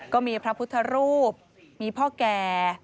ก็มีพระพุทธรูปมีพ่อแก่